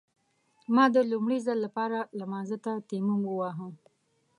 ما د لومړي ځل لپاره لمانځه ته تيمم وواهه.